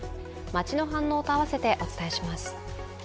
街の反応と合わせてお伝えします。